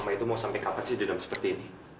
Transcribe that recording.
selama itu mau sampai kapan sih di dalam seperti ini